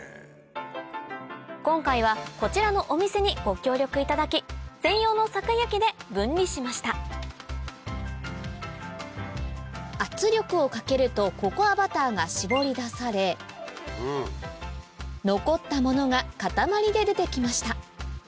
今回はこちらのお店にご協力いただき専用の搾油機で分離しました圧力をかけるとココアバターが絞り出され残ったものが塊で出て来ました